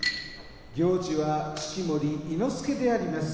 行司は、式守伊之助であります。